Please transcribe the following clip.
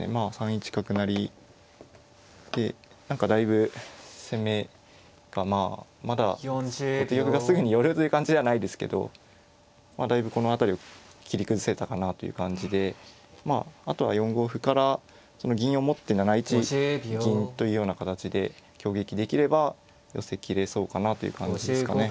３一角成で何かだいぶ攻めがまあまだ後手玉がすぐに寄るという感じではないですけどまあだいぶこの辺りを切り崩せたかなという感じでまああとは４五歩からその銀を持って７一銀というような形で挟撃できれば寄せきれそうかなという感じですかね。